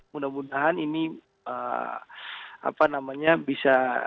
mudah mudahan ini bisa